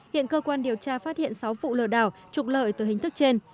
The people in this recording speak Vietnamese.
hiện cơ quan điều tra phát hiện sáu vụ lừa đảo trục lợi từ hình thức trên